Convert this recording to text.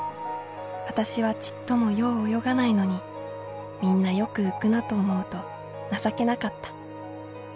私はちっともよう泳がないのにみんなよく浮くなと思うと情けなかった。